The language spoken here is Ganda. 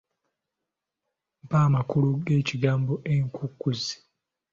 Mpa amakaulu g'ekigambo ekkukuuzi?